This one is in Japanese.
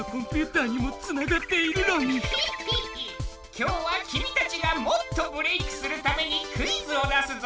今日は君たちがもっとブレイクするためにクイズを出すぞ！